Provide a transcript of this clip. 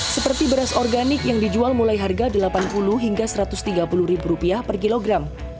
seperti beras organik yang dijual mulai harga rp delapan puluh hingga rp satu ratus tiga puluh per kilogram